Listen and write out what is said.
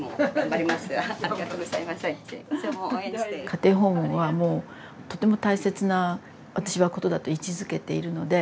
家庭訪問はもうとても大切な私はことだと位置づけているので。